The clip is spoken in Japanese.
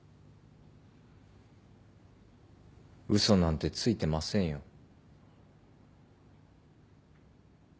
嘘なんてついてませんよ。